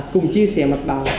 cùng chia sẻ mặt bằng